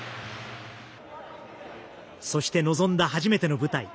そして臨んだ初めての舞台。